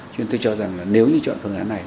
cho nên tôi cho rằng là nếu như chọn phương án này